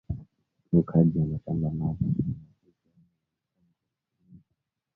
Mu kaji ya mashamba mama ana uziyamo ma mpango mbiri